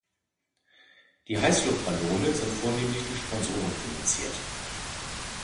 Die Heißluftballone sind vornehmlich durch Sponsoren finanziert.